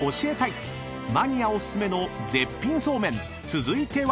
［続いては］